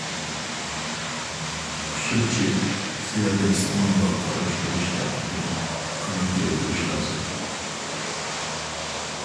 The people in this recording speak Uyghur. ئۈچىنچى، زىيادە ئىستېمالغا قارشى تۇرۇش ھەرىكىتىنى قانات يايدۇرۇش لازىم.